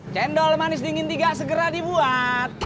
cendol manis dingin tiga segera dibuat